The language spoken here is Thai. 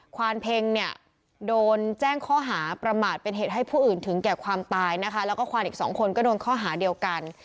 ความเพ็งเนี่ยโดนแจ้งข้อหาประมาทเป็นเหตุให้ผู้อื่นถึงแก่ความตายนะคะแล้วก็ควานอีกสองคนก็โดนข้อหาเดียวกัน